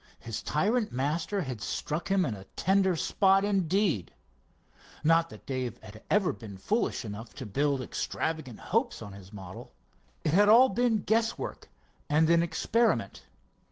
His tyrant master had struck him in a tender spot, indeed. Not that Dave had ever been foolish enough to build extravagant hopes on his model. It had been all guess work and an experiment.